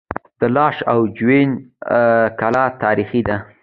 د لاش او جوین کلا تاریخي ده